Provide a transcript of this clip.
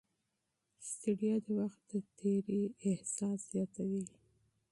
ستړیا د وخت د تېري احساس زیاتوي.